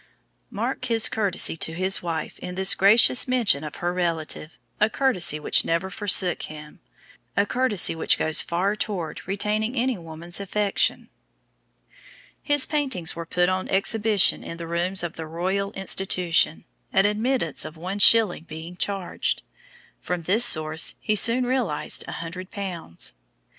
Mark his courtesy to his wife in this gracious mention of her relative a courtesy which never forsook him a courtesy which goes far toward retaining any woman's affection. His paintings were put on exhibition in the rooms of the Royal Institution, an admittance of one shilling being charged. From this source he soon realised a hundred pounds.